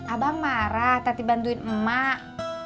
abang marah tadi bantuin emak